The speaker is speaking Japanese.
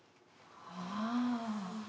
ああ。